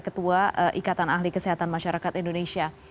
ketua ikatan ahli kesehatan masyarakat indonesia